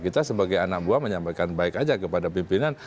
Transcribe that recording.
kita sebagai anak buah menyampaikan baik aja kepada pimpinan